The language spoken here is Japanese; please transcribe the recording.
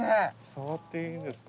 触っていいんですか？